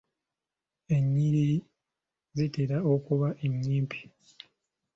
Ennyiriri zitera okuba ennyimpi.